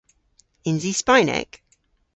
Yns i Spaynek?